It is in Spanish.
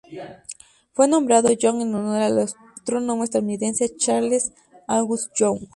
Fue nombrado Young en honor al astrónomo estadounidense Charles Augustus Young.